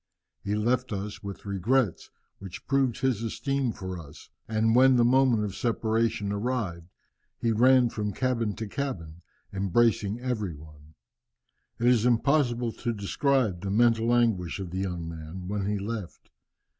He left us with regrets, which proved his esteem for us, and when the moment of separation arrived, he ran from cabin to cabin embracing every one. It is impossible to describe the mental anguish of the young man when he left.